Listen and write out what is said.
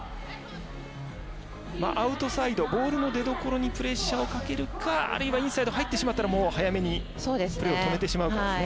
アウトサイドボールの出どころにプレッシャーをかけるかあるいはインサイド入ってしまったら早めにプレーを止めてしまうかですね。